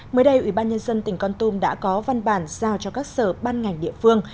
mới đây ủy ban nhân dân tỉnh con tum đã có văn bản giao cho các sở ban ngành địa phương